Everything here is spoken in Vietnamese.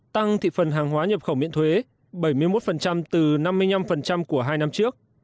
tăng thị phần hàng hóa nhập khẩu miễn thuế bảy mươi một từ năm mươi năm của hai năm trước